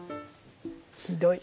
ひどい。